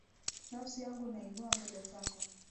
Nafsi yangu, naiinua mbele zako.